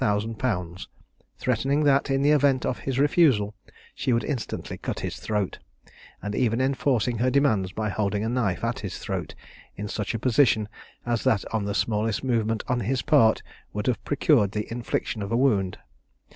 _, threatening that, in the event of his refusal, she would instantly cut his throat; and even enforcing her demands by holding a knife at his throat in such a position as that on the smallest movement on his part would have procured the infliction of a wound.